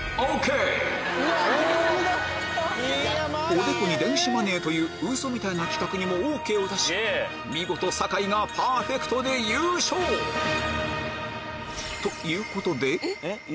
おでこに電子マネーというウソみたいな企画にもＯＫを出し見事酒井がパーフェクトで優勝どうも！